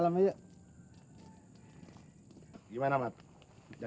ayo deh ke dalam aja